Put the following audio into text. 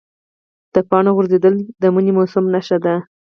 د پاڼو غورځېدل د مني موسم نښه ده.